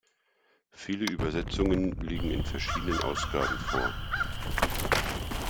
Viele Übersetzungen liegen in verschiedenen Ausgaben vor.